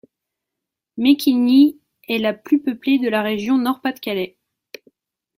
Mecquignies est la la plus peuplée de la région Nord-Pas-de-Calais.